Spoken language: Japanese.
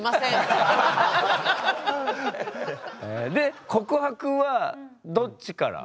で告白はどっちから？